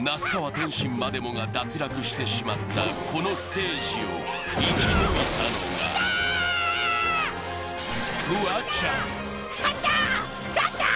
天心までもが脱落してしまったこのステージを生き抜いたのがフワちゃん勝った勝ったー！